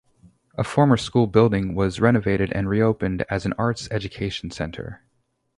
A former school building was renovated and reopened as an arts education center.